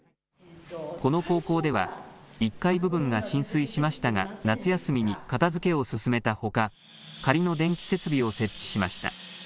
この高校では１階部分が浸水しましたが夏休みに片づけを進めたほか仮の電気設備を設置しました。